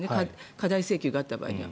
過大請求があった場合には。